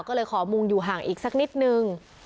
ก็เลยขอมุงอยู่ห่างอีกสักนิดนึง